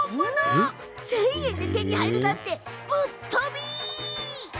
１０００円で手に入るなんてぶっとび！